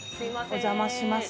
お邪魔します。